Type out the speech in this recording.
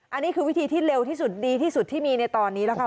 อันนี้คือวิธีที่เร็วที่สุดดีที่สุดที่มีในตอนนี้นะคะ